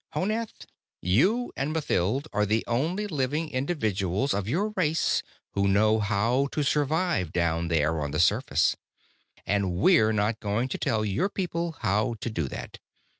Honath, you and Mathild are the only living individuals of your race who know how to survive down there on the surface. And we're not going to tell your people how to do that.